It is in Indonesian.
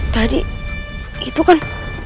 tadi itu kan